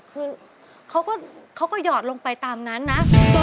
คือเขาก็หยอดลงไปตามนั้นนะ